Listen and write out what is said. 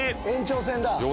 延長戦だ。